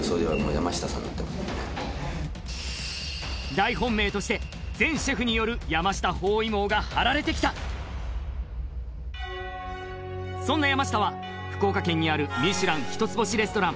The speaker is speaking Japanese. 大本命として全シェフによる山下包囲網が張られてきたそんな山下は福岡県にあるミシュラン一つ星レストラン